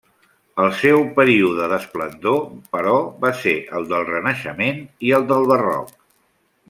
El seu període d'esplendor, però va ser el del Renaixement i el del Barroc.